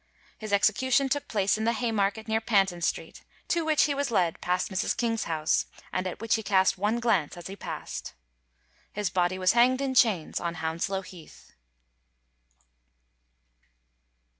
His execution took place in the Haymarket near Panton Street, to which he was led past Mrs. King's house, and at which he cast one glance as he passed. His body was hanged in chains on Hounslow Heath.